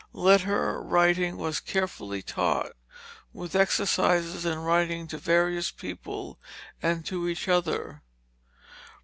Letter writing was carefully taught, with exercises in writing to various people, and to each other.